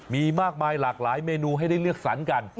มีมากมายหลากหลายเมนูให้ได้เลือกสรรกัน